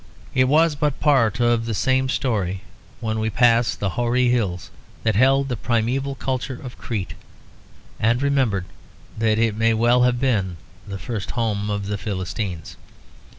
It was but part of the same story when we passed the hoary hills that held the primeval culture of Crete, and remembered that it may well have been the first home of the Philistines.